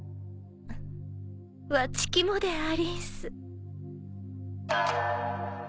わちきもでありんす。